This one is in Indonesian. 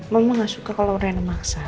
mama gak suka kalau reina maksar